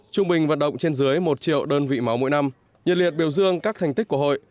trung bình vận động trên dưới một triệu đơn vị máu mỗi năm nhiệt liệt biểu dương các thành tích của hội